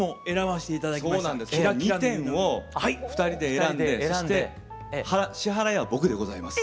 で２点を２人で選んでそして支払いは僕でございます。